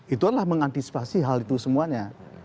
itulah mengantisipasi hal itu semuanya